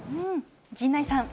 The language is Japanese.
陣内さん。